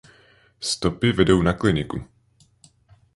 Stopy vedou na kliniku.